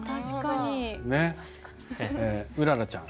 うららちゃん。